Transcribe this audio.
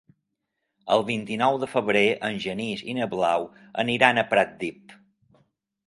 El vint-i-nou de febrer en Genís i na Blau aniran a Pratdip.